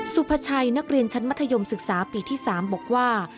สุภาชัยนักเรียนชั้นมัธยมศึกษาปีที่๓บอกว่า